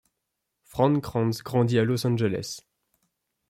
Fran Kranz grandit à Los Angeles.